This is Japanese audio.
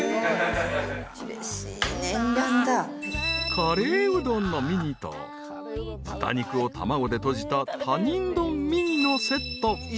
［カレーうどんのミニと豚肉を卵でとじた他人丼ミニのセット］